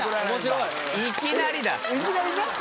いきなりな。